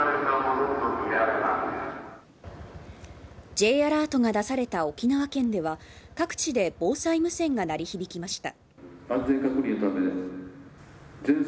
Ｊアラートが出された沖縄県では各地で防災無線が鳴り響きました。